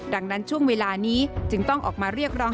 ดังนั้นช่วงเวลานี้จึงต้องออกมาเรียกร้อง